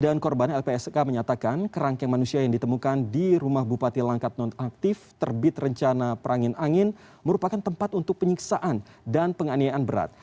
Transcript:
dan korban lpsk menyatakan kerangkeng manusia yang ditemukan di rumah bupati langkat nonaktif terbit rencana perangin angin merupakan tempat untuk penyiksaan dan penganian berat